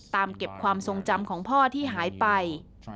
เก็บความทรงจำของพ่อที่หายไป